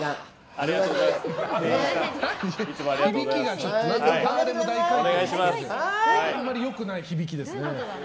あんまり良くない響きですね。